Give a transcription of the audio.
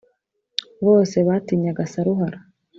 Bose batinyaga Saruhara.